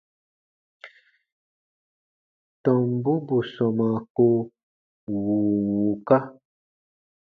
Tɔmbu bù sɔmaa ko wùu wùuka.